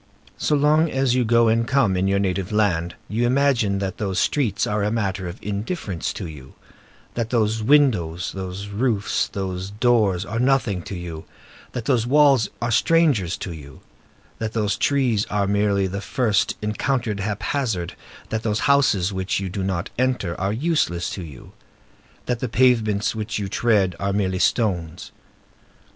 So long as you go and come in your native land, you imagine that those streets are a matter of indifference to you; that those windows, those roofs, and those doors are nothing to you; that those walls are strangers to you; that those trees are merely the first encountered haphazard; that those houses, which you do not enter, are useless to you; that the pavements which you tread are merely stones.